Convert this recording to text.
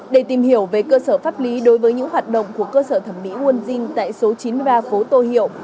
để tìm hiểu về cơ sở pháp lý đối với những hoạt động của cơ sở thẩm mỹ wonjin tại số chín mươi ba phố tô hiệu